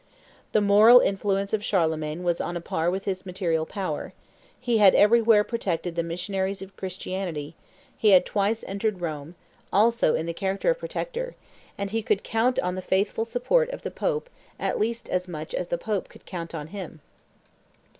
The moral influence of Charlemagne was on a par with his material power; he had everywhere protected the missionaries of Christianity; he had twice entered Rome, also in the character of protector, and he could count on the faithful support of the Pope at least as much as the Pope could count on him.